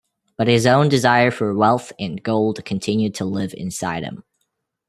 But his own desire for wealth and gold continued to live inside him.